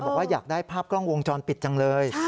บอกว่าอยากได้ภาพกล้องวงจรปิดจังเลย